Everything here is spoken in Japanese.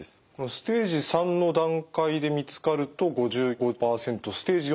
ステージ３の段階で見つかると５５％ステージ４だと９％。